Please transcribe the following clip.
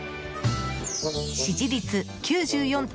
支持率９４．４％。